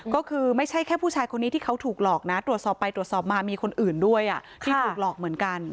ก็คือไม่ใช่แค่ผู้ชายคนนี้ที่เขาถูกหลอกนะตรวจสอบไปตรวจสอบมามีคนอื่นด้วยที่ถูกหลอกเหมือนกัน